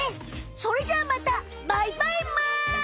それじゃあまたバイバイむ！